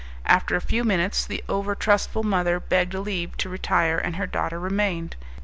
After a few minutes, the over trustful mother begged leave to retire, and her daughter remained.